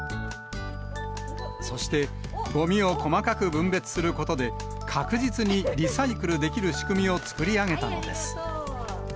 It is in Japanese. そして、ごみを細かく分別することで、確実にリサイクルできる仕組みを作り上げたのです。